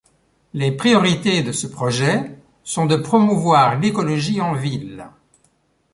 Les priorités de ce projet sont de promouvoir l'écologie en ville.